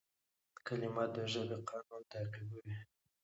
کلیمه د ژبي قانون تعقیبوي.